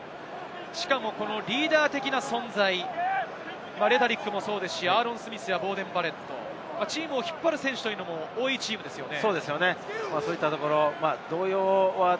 しかもリーダー的な存在、レタリックもそうですし、アーロン・スミスやボーデン・バレット、チームを引っ張る選手も多いチームですね。